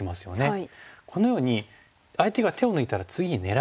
はい。